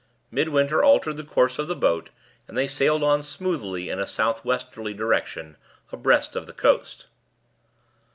Midwinter altered the course of the boat, and they sailed on smoothly in a south westerly direction, abreast of the coast.